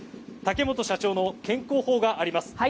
竹本社長の健康法があります。